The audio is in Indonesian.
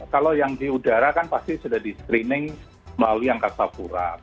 kalau yang di udara kan pasti sudah di screening melalui angkasa pura